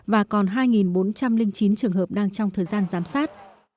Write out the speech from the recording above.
và còn hai bốn trăm linh chín trường hợp đang trong thời gian giám sát